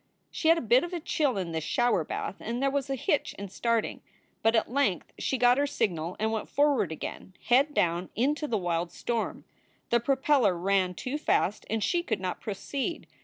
She had a bit of chill in this shower bath and there was a hitch in starting. But at length she got her signal and went forward again, head down, into the wild storm. The pro peller ran too fast and she could not proceed.